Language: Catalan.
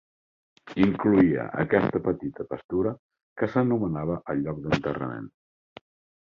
Incloïa aquesta petita pastura que s'anomenava el lloc d'enterrament.